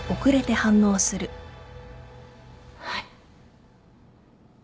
はい？